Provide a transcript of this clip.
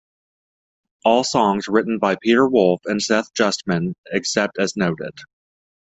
All songs written by Peter Wolf and Seth Justman, except as noted.